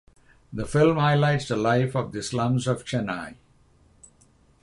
The film highlights the life in the slums of Chennai.